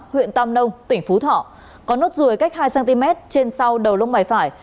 huyện tam nông tỉnh phú thọ có nốt ruồi cách hai cm trên sau đầu lông mày phải